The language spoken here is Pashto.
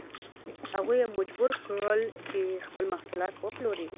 هغوی یې مجبور کړل چې خپل محصولات وپلوري.